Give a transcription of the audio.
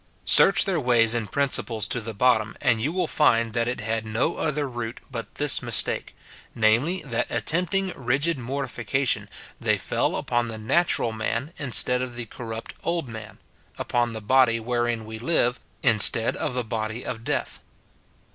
Search their ways and principles to the bottom, and you will find that it had no other root but this mistake, namely, that attempting rigid mortification, they fell upon the natural man instead of the corrupt old man, — upon the body wherein we live, instead of the body of death.